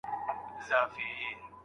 د ږیري خاوند ډنډ ته د چاڼ ماشین نه وړي.